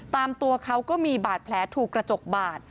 ตามตัวเขาก็มีบาดแผลถูกกระจกบาด